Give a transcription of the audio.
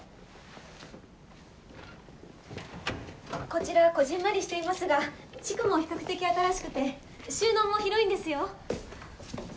こちらこぢんまりしていますが築も比較的新しくて収納も広いんですよ。